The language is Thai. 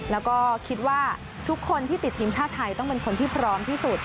แล้วก็คิดว่าทุกคนที่ติดทีมชาติไทยต้องเป็นคนที่พร้อมที่สุด